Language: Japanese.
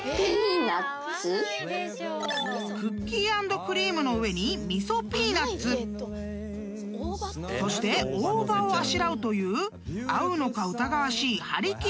［クッキー＆クリームの上に味噌ピーナッツそして大葉をあしらうという合うのか疑わしいはりきりワンスプーン］